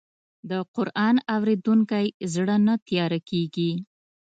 د قرآن اورېدونکی زړه نه تیاره کېږي.